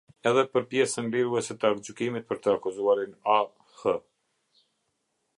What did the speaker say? Edhe për pjesën liruese të aktgjykimit për të akuzuarin A. H.